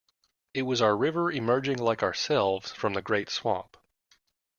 It was our river emerging like ourselves from the great swamp.